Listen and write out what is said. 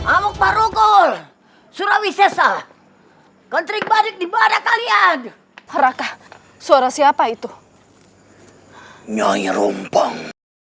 amuk marugul surawi seser country badik di badak kalian harakah suara siapa itu nyai rumpang